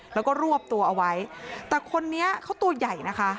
แล้วก็รวบตัวเอาไว้แต่คนนี้เขาตัวใหญ่นะคะ